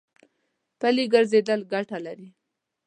پلي ګرځېدل ګټه لري.